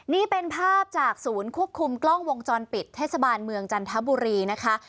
นี่เป็นภาพจากศูนย์ควบคุมกล้องวงจรปิดเทศบาลเมืองจันทบุรีนะคะ